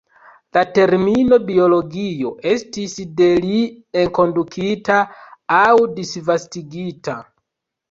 La termino "biologio" estis de li enkondukita aŭ disvastigita.